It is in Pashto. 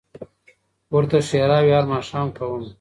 ورته ښېراوي هر ماښام كومه